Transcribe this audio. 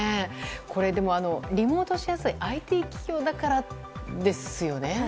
これ、リモートしやすいＩＴ企業だからですよね。